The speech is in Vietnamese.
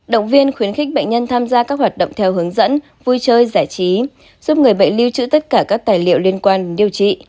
động viên khuyến khích bệnh nhân tham gia các hoạt động theo hướng dẫn vui chơi giải trí giúp người bệnh lưu trữ tất cả các tài liệu liên quan điều trị